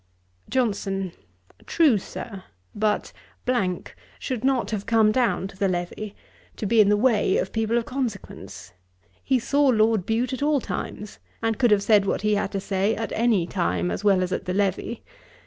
JOHNSON. 'True, Sir; but should not have come to the levee, to be in the way of people of consequence. He saw Lord Bute at all times; and could have said what he had to say at any time, as well as at the levee.